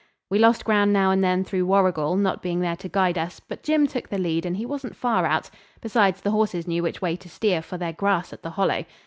We lost ground now and then through Warrigal not being there to guide us, but Jim took the lead and he wasn't far out; besides, the horses knew which way to steer for their grass at the Hollow.